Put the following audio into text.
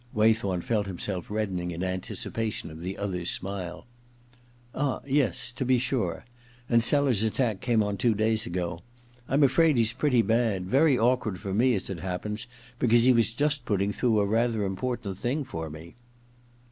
Waythorn felt himself reddening in anticipation of the other's smile. * Ah — yes ; to be sure. And Sellers's attack came on two days ago. I'm afraid he's pretty bad. Very awkward for me, as it happens, because he was just putting through a rather important thing for me.'